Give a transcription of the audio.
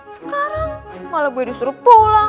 sekarang malah gue disuruh pulang